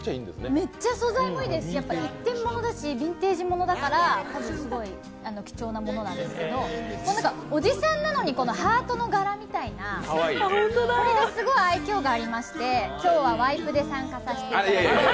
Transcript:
めちゃ素材もいいし、一点ものだしビンテージだし、多分すごい貴重なものなんですけど、おじさんなのに、ハートの柄みたいな、これがすごい愛きょうがありまして、今日はワイプで参加させていただきます